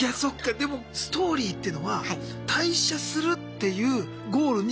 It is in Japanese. でもストーリーってのは退社するっていうゴールに。